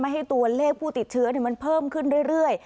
ให้ตัวเลขผู้ติดเชื้อมันเพิ่มขึ้นเรื่อย